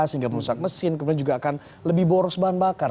sehingga merusak mesin kemudian juga akan lebih boros bahan bakar